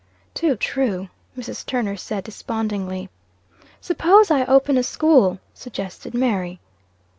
"Too true," Mrs. Turner said, despondingly. "Suppose I open a school?" suggested Mary.